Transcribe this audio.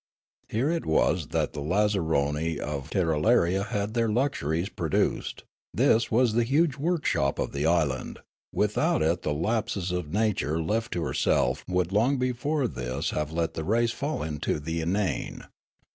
Here it was that the lazzaroni of Tirralaria had their luxuries produced ; this was the huge workshop of the island ; without it the lapses of nature left to herself would long before this have let the race fall into 184 Riallaro the inane.